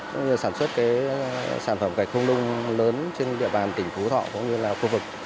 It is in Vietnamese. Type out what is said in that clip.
cũng như sản xuất sản phẩm gạch không nung lớn trên địa bàn tỉnh phú thọ cũng như là khu vực